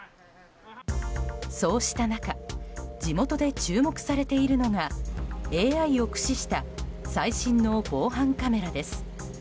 そうした中地元で注目されているのがＡＩを駆使した最新の防犯カメラです。